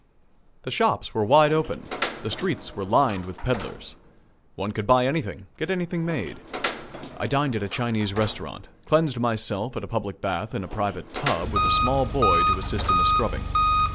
The shops were wide open; the streets were lined with pedlars. One could buy anything; get anything made. I dined at a Chinese restaurant, cleansed myself at a public bath in a private tub with a small boy to assist in the scrubbing.